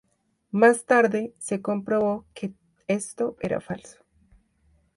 Más tarde se comprobó que esto era falso.